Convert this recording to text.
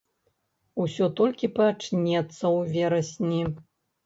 Усё толькі пачнецца ў верасні.